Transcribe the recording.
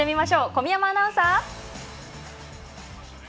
小宮山アナウンサー！